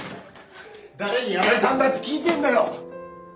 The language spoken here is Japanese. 誰にやられたんだって聞いてんだよ！